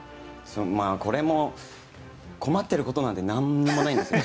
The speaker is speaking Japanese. これも困っていることなんて何もないんですけど。